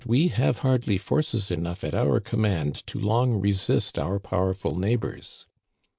155 we have hardly forces enough at our command to long resist our powerful neighbors."